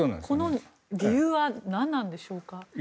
この理由は何なんでしょうか。